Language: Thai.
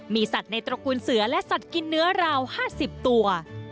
มีสัตว์ในตระกูลเสือและสัตว์กินเนื้อราว๕๐ตัว